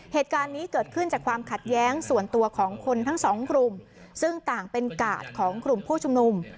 เหตุการณ์นี้เกิดขึ้นจากความขัดแย้งส่วนตัวของคนทั้งสองกลุ่มซึ่งต่างเป็นกาดของกลุ่มผู้ชุมนุม